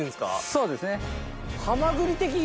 そうですね。